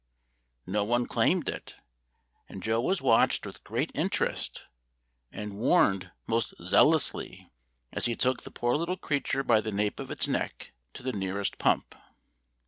No one claimed it; and Joe was watched with great interest, and warned most zealously, as he took the poor little creature by the nape of its neck to the nearest pump.